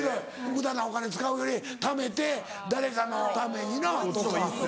無駄なお金使うよりためて誰かのためになとか。